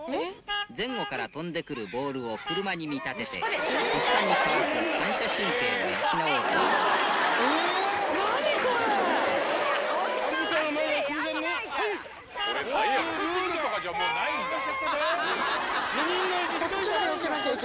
前後から飛んでくるボールを車に見立てて、とっさにかわす反射神経を養おうというのです。